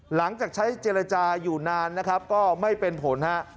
หลังจากใช้เจรจาอยู่นานก็ไม่เป็นผล